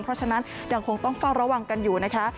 เพราะฉะนั้นอย่างคงต้องฟังระหว่างกันอยู่นะคะ